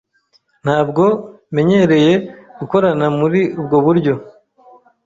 Ntabwo menyereye gukorana muri ubwo buryo